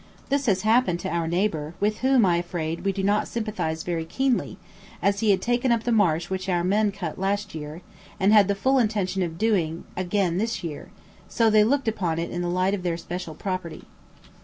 This has happened to our neighbour, with whom, I am afraid, we do not sympathise very keenly, as he had taken up the marsh which our men cut last year, and had the full intention of doing again this year, so they looked upon it in the light of their special property.